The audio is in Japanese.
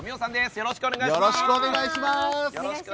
よろしくお願いします！